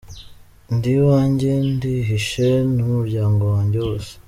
Ndi iwanjye, ndihishe n’umuryango wanjye wose.